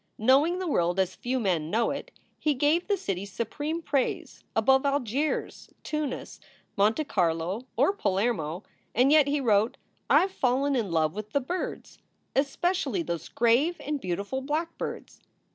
Knowing the world as few men know it, he gave the city supreme praise, above Algiers, Tunis, Monte Carlo, or Palermo, "And yet," he wrote, "I ve fallen in love with the birds. Especially those grave and beautiful blackbirds.